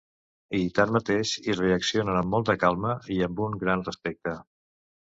I, tanmateix, hi reaccionen amb molta calma i amb un gran respecte.